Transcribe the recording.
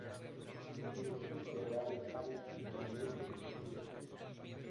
Recibe culto a lo largo del año en la Iglesia del Espíritu Santo.